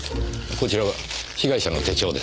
こちらは被害者の手帳ですね？